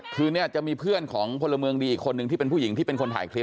คือเนี่ยจะมีเพื่อนของพลเมืองดีอีกคนนึงที่เป็นผู้หญิงที่เป็นคนถ่ายคลิป